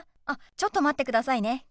あっちょっと待ってくださいね。